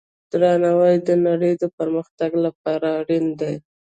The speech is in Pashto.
درناوی د نړۍ د پرمختګ لپاره اړین دی.